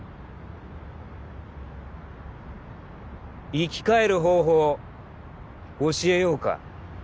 生き返る方法教えようか？